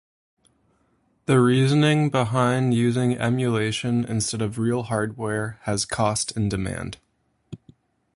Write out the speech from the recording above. The reasoning behind using emulation instead of real hardware was cost and demand.